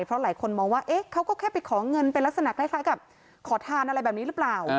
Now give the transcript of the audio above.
เพราะหลายคนมองว่าเขาก็แค่ไปขอเงินเป็นลักษณะคล้ายกับขอทานอะไรแบบนี้หรือเปล่า